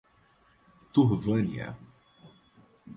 Turvânia